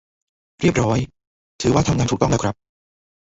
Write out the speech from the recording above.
เรียบร้อย ถือว่าทำงานถูกต้องแล้วครับ